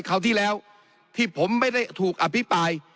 คราวที่แล้วที่ผมไม่ได้ถูกอภิปราย